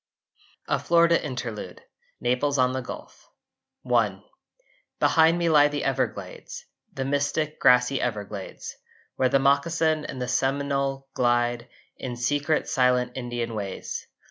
A FLORIDA INTERLUDE (Naples on the Gulf) I Behind me lie the Everglades, The mystic grassy Everglades, Where the moccasin and the Seminole glide In secret silent Indian ways.